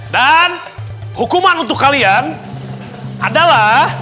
hukuman untuk kalian adalah